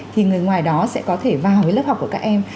thì người ngoài đó sẽ có thể vào cái lớp học của các em